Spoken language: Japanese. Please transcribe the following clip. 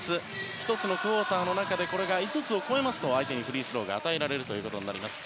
１つのクオーターの中でこれが５つを超えると相手にフリースローが与えられることになります。